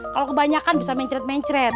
kalau kebanyakan bisa menceret mencret